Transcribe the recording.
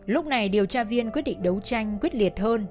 lúc này điều tra viên quyết định đấu tranh quyết liệt hơn